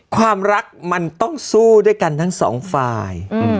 ความรักมันต้องสู้ด้วยกันทั้งสองฝ่าย